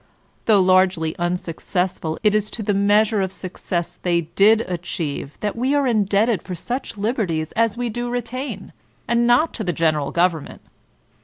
Though brgely unsuccessful, it is to the measure of success they did achieve that we are indebted for such liberties as we do retain, and not to the general government.